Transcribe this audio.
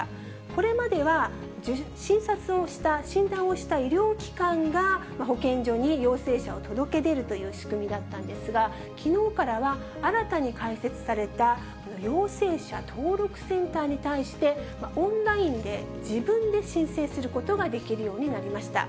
これまでは、診察をした、診断をした医療機関が、保健所に陽性者を届け出るという仕組みだったんですが、きのうからは新たに開設された、陽性者登録センターに対して、オンラインで自分で申請することができるようになりました。